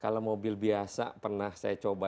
kalau mobil biasa pernah saya coba